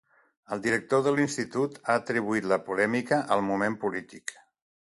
El director de l’institut ha atribuït la polèmica al moment polític.